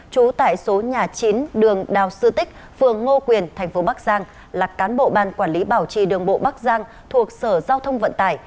trú tại số nhà chín đường đào sư tích phường ngô quyền thành phố bắc giang là cán bộ ban quản lý bảo trì đường bộ bắc giang thuộc sở giao thông vận tải